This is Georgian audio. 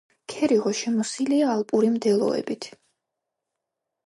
ქერიღო შემოსილია ალპური მდელოებით.